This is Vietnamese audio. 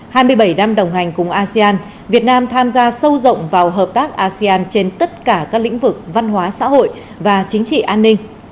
hai mươi bảy năm đồng hành cùng asean việt nam tham gia sâu rộng vào hợp tác asean trên tất cả các lĩnh vực văn hóa xã hội và chính trị an ninh